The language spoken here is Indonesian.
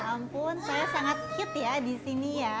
ya ampun saya sangat hit ya disini ya